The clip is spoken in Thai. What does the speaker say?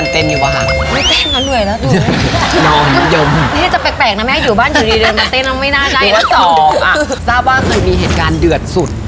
คือทราบว่าเคยมีเหตุการณ์เดือดสุด